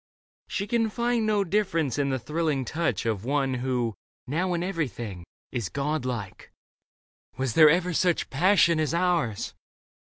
She can find No difference in the thrilling touch Of one who, now, in everything Is God like. " Was there ever such Passion as ours